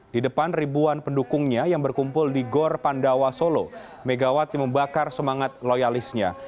di depan ribuan pendukungnya yang berkumpul di gor pandawa solo megawati membakar semangat loyalisnya